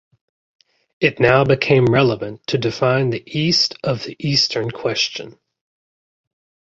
It now became relevant to define the east of the eastern question.